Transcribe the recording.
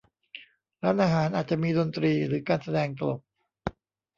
ร้านอาหาร อาจจะมีดนตรีหรือการแสดงตลก